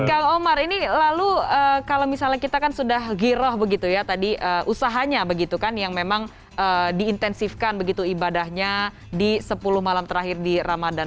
kang omar ini lalu kalau misalnya kita kan sudah giroh begitu ya tadi usahanya begitu kan yang memang diintensifkan begitu ibadahnya di sepuluh malam terakhir di ramadan